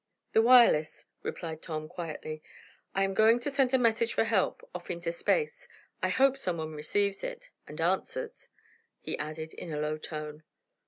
"The wireless," replied Tom, quietly. "I am going to send a message for help, off into space. I hope some one receives it and answers," he added, in a low tone.